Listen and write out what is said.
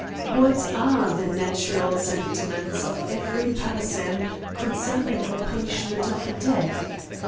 What are the natural sentiments of every person concerning the punishment of death